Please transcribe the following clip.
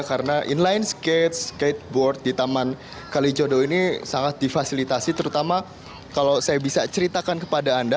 karena inline skate skateboard di taman kalijodo ini sangat difasilitasi terutama kalau saya bisa ceritakan kepada anda